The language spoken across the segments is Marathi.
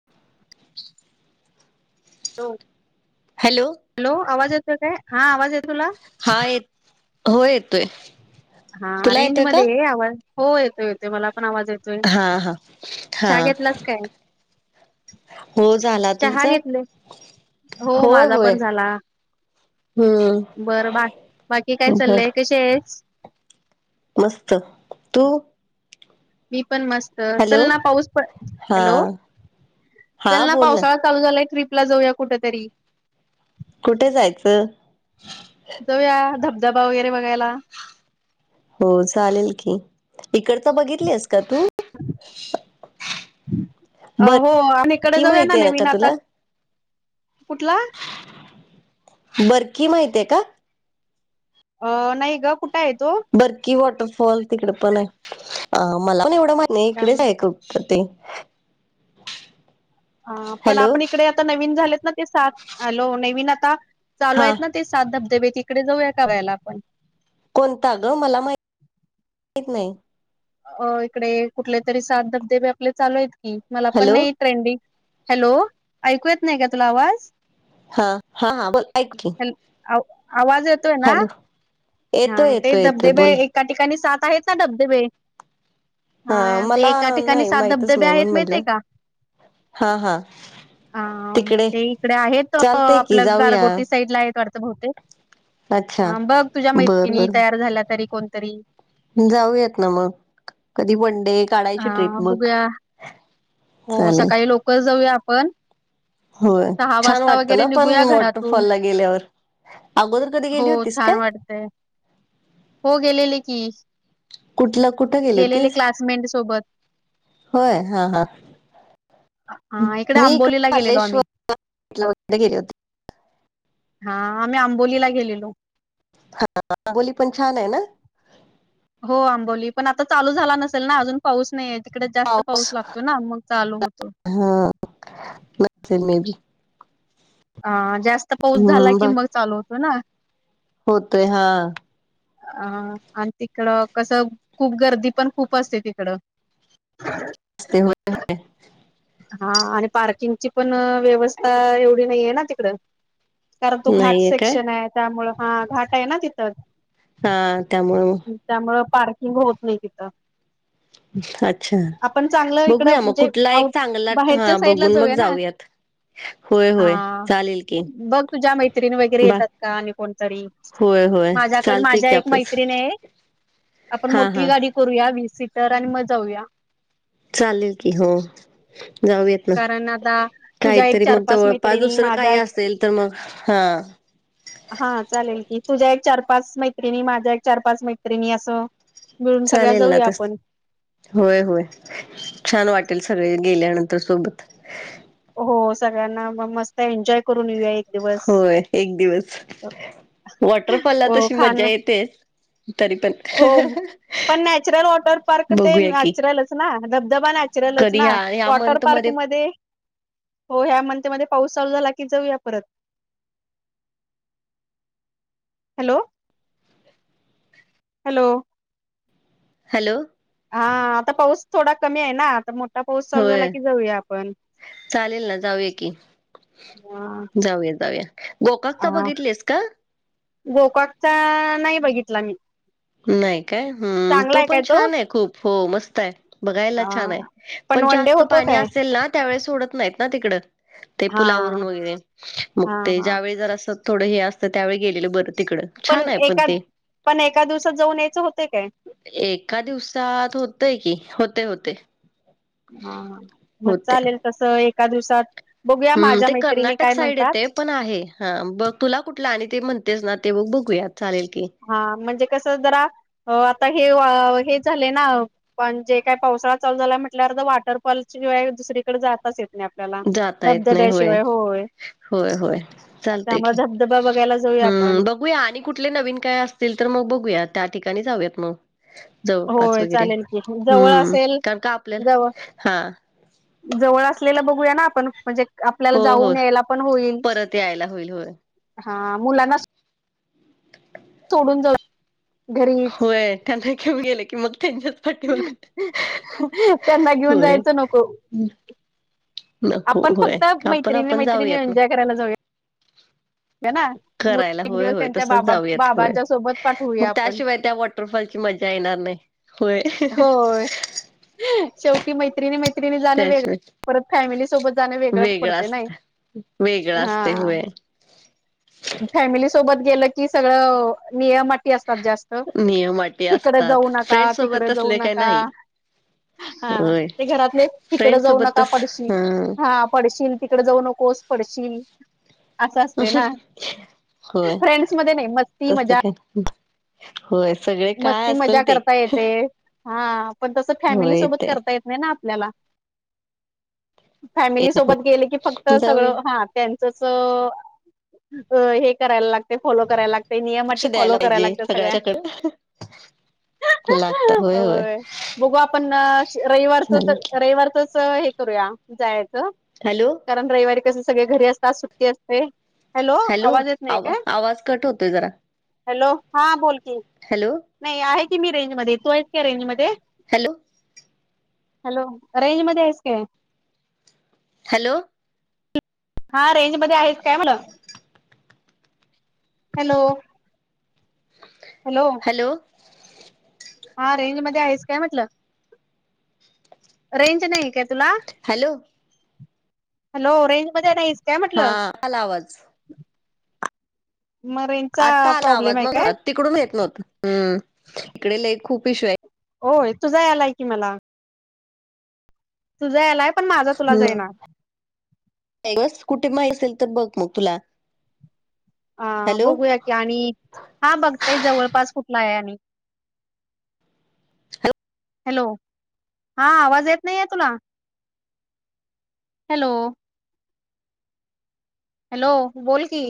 [unintelligible] Hello hello hello! आवाज येतोय काय हा आवाज येतोय तुला? हा य- हो येतोय हा तुला रेंज येतोय मध्ये का? ये आवाज हो येतोय येतोय, मला पण आवाज येतोय. हा हा चहा हा. घेतलाच काय हो झाला चहा तुमचा घेतले, हो होय माझा होय पण झाला. हम्म, बरं बा -बाकी काय बर चाललंय कशी आहेस? मस्त तू? मी पण मस्त चल हॅलो ना, पाऊस -प हा हॅलो! हा चल ना बोल पावसात. ळा चालू झालाय, ट्रिप ला जाऊया कुठंतरी? कुठे जायचं? जाऊया धबधबा वगैरे बघायला. हो चालेल की, इकडचा बघितलीयस का तू? [unintelligible] अ हो आणि इकडं बरकी जाऊया माहिती ना आहे का नवीन आता तुला कुठला? बरकी माहितय का? अ नाही गं कुठे आहे तो? बर्की वॉटरफॉल तिकडे पण आहे, मला पण एवढं माहित नाही इकडेच आहे. पडतय. अ पण आपण इकडे आता नवीन झालेत ना, ते सात हॅलो! नवीन आता चालू हा आहेत ना. ते सात धबधबे तिकडे जाऊया, का फिरायला आपण? कोणता गं मला माहि -माहित नाही. अ इकडे कुठले तरी सात धबधेबे आपले चालू आहेत की, मला पण हॅलो नाही ट्रेंडिंग हँलो! ऐकू येत नाही का तुला आवाज? हा हा हा, बोल ऐकते. हॅल आवाज येतोय ना, हा येतोय ते येतोय येतोय धबधबे बोल एका ठिकाणी सात आहेत ना, धबधबे. हा ते मला एका ठिकाणी नाही सात माहितच धबधबे नाही, म्हणून आहेत माहितीय म्हटलं का हा हा. हां म तिकडे ते इकडे आहेत चालतय की आपलं जाऊया गारगोटी साईड ला आहेत वाटत भोवतेक अच्छा हां बघ तुझ्या बर मैत्रिणी बर तयार झाल्या तरी कोणतरी जाऊयात ना मग कधी वनडे हां बघूया हो चालेल सकाळी लवकर जाऊया आपण. होय सहा छान वाजता वाटतं वगैरे ना पण निघूया घरातून वॉटरफॉल ला गेल्यावर अगोदर कधी हो गेली होतीस छान काय वाटतय. हो गेलेले की कुठलं कुठ गेली गेलेले होतीस? क्लासमेट सोबत होय हां हां. हा इकडे मी इकड आंबोलीला गेलेलो आम्ही हल्लेश्वर वगैरे गेले होते हा आम्ही आंबोलीला गेलेलो हा बोली पण छान आहे ना हो आंबोली पण आता चालू झाला नसेल ना अजून पाऊस नाही तिकडे जास्त पाऊस लागतो ना मग चालू होतो हा ब मी अ जास्त पाऊस झाला की ब मग चालू होतो ना होतोय हा अ आणि तिकडं कसं खूप गर्दी पण खूप असते तिकडं हस् होय हो हा आणि पार्किंगची पण व्यवस्था एवढी नाहीे ना तिकड कारण तो घाट नाहीये काय सेक्शन आहे त्यामु हा घाट आहे ना तिथं हा त्यामु त्यामुळे पार्किंग होत नाही तिथं अच्छा आपण चांगलं इकड बघूया मग म्हणजे कुठला एक आऊट चांगला बाहेरच्या हा साईड ला बघून मग जाऊया ना जाऊयात होय हा होय चालेल की बघ तुझ्या मैत्रिणी वगैरे बा येतात का आणि कोण त होय होय माझ्याकड चालते माझ्या की एक आपण मैत्रिणी आहे आपण हा मोठी हा गाडी करूया वीस सीटर आणि मग जाऊया चालेल की हो जाऊयात कारण आता तुझ्या एक काहीतरी चार मग पाच जवळपास मैत्रिणी दुसरं माझ्या काही एक असेल तर मग हा हा चालेल की तुझ्या एक चार पाच मैत्रिणी माझ्या एक चार पाच मैत्रिणी असं मिळून सगळ्या चालेल ना जाऊया तस आपण होय होय छान वाटेल सगळे गेल्यानंतर सोबत हो सगळ्यांना मग मस्त एन्जॉय करून येऊया दिवस होय एक दिवस वॉटरफॉल ला हो तशी खाण मज्जा येतेच तरी पण हो पण नॅचरल वॉटर पार्क ते बघूया की नॅचरलच ना धबधबा नच च कधी ना ह्या ह्या वॉटर मंथ पार्क मध्ये हो ह्या मनतेमध्येध्ये पाऊस चालू झाला की जाऊया परत हॅलो हॅलो हॅलो हा आता पाऊस थोडा कमी आहे ना आताठ होय चालेल ना जाऊय की जाऊया जाऊया गोकाकता बघितलेस का गोकाॉकचा नाही बघितला मी नाही काय हम्म चांगला तो आहे पण काय छान आहे खूप हो मस्त आहे बघायला हा छान आहे पण वन डे जास्त होतो पाणी काय असेल ना त्यावेळी सोडत नाहीत ना तिकड ते हा पुलावरून वगैरे मग हा ते हा ज्यावेळी जर अस थोडं हे असतं त्यावेळी गेलेलं बतं पण एका पण एका दिवसात जाऊन यायचं होत काय एका दिवसात होतय की होते होते हा मग होते चालेल तस एका दिवसात बघूया हं, माझ्या ते मैत्रिणी कर्नाटक काय साईड म्हणतात येते पण आहे हा ब तुला कुठला आणि ते म्हणतेस ना ते बघ बघूयात चालेल की हा म्हणजे कसं जरा आता हे हे झाले ना पण जे काय पावसाळा चालू झालाय म्हटल्या अ वॉटरफॉल शिवाय दुसरीकडे जातच येत आपल्याला जाता येत नाही धबधब्याशिवाय होय होय, होय चालतंय त्यामु की. धबधबा बघायला जाऊया आपण हं, बघूया आणि कुठले नवीन काय असतील तर मग बघूया त्या ठिकाणी जाऊयात मग जवळपास होय वगैरे चालेल की जवळ हम्म असेल कारण का जवळ आपल्याला हा जवळ असलेलं बघूया ना आपण म्हणजे आपल्याला हो, हो जाऊन यायला पण होईल परत यायला होईल होय. हा मुलाना सोडून जाऊ. घरीच होय त्यांना घेऊन गेले की मग त्यांच्यात त्यांना घेऊन होय. जायचं नको नको आपण होय. फक्त आपण मैत्रणी आपण मैत्रीणी जाऊयात मग एन्जॉय करायला जाऊया. ना करायला एक होय दिवस होय त्यांच्या तसच बाबा जाऊयात होय बाबांच्या सोबत मग पाठवूया आपण त्याशिवाय त्या वॉटरफॉलची मजा येणार नाही. होय होय शेवटी मैत्रिणी मै मैत्रीणी मैत्रीण जाणं वेग त्याशिवाय परत फॅमिली सोबत जाणं वेगळं पडते नाही. वेगळां हा असते होय. फॅमिली सोबत गेलं की सगळं नियम अटी असतात जास्त नियम अटी तिकडे असतात जाऊ नका फ्रेंड तिकडे सोबत जाऊ असले काय नका. नाही. हा होय ते घरातले तिकड फ्रेंड जाऊ सोबत नका तस पडशील हम्म हा पडशील तिकड जाऊ नकोस पडशील असं असतंय ना, फ्रेंड्स मध्ये नाही मस्ती मजा ्य होय स मस्ती मजा करता येते. हा पण तसं फॅमिली होय सोबत ते करता येत नाही ना आपल्याला फॅमिली सोबत गेले की फक्त जाऊया. सगळं हा त्यां तस हे करायला लागते फॉलो करायला लागते. ते नियम लक्ष अट द्यायला फॉलो कराला पाहिजे लागतात सगळ्या सगळ्याच्याकडे लागत होय हो होय बघ आपण रविवारच चालेल की. रविवारचच करूया जायचं. हॅलो, कारण रविवारी कसे सगळे घरी असतात सुट्टी असते. हॅलो आवाज येत नाही आवा काय आवाज कट होतोय जरा हॅलो हा बोलकी, हॅलो नाही आहे की मी रेंज मध्ये येतो आहे का रेंज मध्ये हॅलो हॅलो रेंज मध्ये आहेस काय? हॅलो, हा रेंज मध्ये आहेच काय मण हॅलो हॅलो, हॅलो हा रेंज मध्ये आहेच काय म्हटलं रेंज नाही काय तुला हॅलो, हॅलो रेंज मध्ये नाही. हा आला आवाज मग रेंजचा आता आला प्रॉब्लेम आवाज आहे मग काय तिकडून येत नव्हत हम् इकडेले खूप इशू आहे. होय तूझा यायला की मला तुझा यायला. हम् बस कुठे माहीत असेल तर बघ मग तुला अ हॅलो बघूया की आणि हा बघताय जवळपास कुठला आहे आणि हॅलो हा आवाज येत नाही आहे तुला- हॅलो, हॅलो बोल की,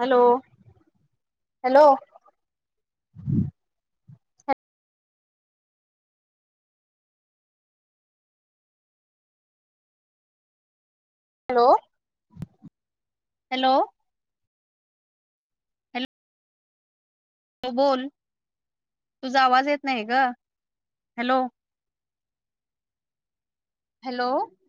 हॅलो हॅलो हॅलो हॅलो त बोल तुझा आवाज येत नाही ग हॅलो हॅलो